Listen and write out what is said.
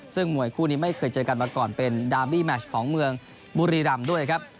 ซึ่งมวยคู่นี้ไม่เคยเจอกันมาก่อนเป็นดาร์บี้แมชของเมืองบุรีรำด้วยครับ